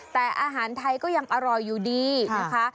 แต่อาหารไทยก็ยังอร่อยอยู่ดีนะคะ